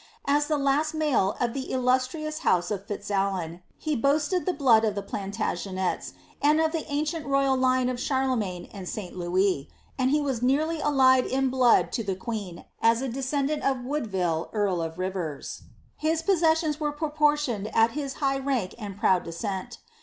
As the last male of the illustrious house of Fitzalan, he boasted the blood of the Plantagenets and of the ancient royal line of Charle magne and St. Louis, and he was nearly allied in blood to the queen as a descendant of Woodville, earl of Rivers ; his possessions were pro portioned to his high rank and proud descent.